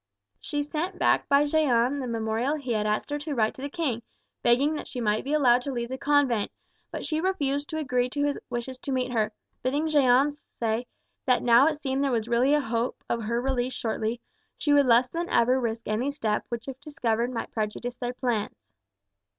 She sent back by Jeanne the memorial he had asked her to write to the king, begging that she might be allowed to leave the convent; but she refused to agree to his wishes to meet her, bidding Jeanne say that now it seemed there was really a hope of her release shortly, she would less than ever risk any step which if discovered might prejudice their plans.